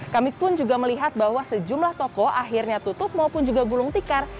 kami pun juga melihat bahwa sejumlah toko akhirnya tutup maupun juga gulung tikar